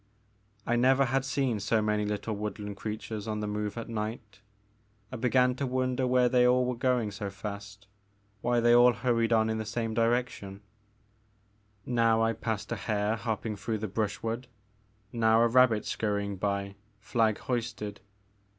I never had seen so many little woodland creatures on the move at night. I began to wonder where they all were going so fast, why they all hurried on in the same direction. Now The Maker of Moons. 6 7 I passed a hare hopping through the brushwood, now a rabbit scurrying by, flag hoisted.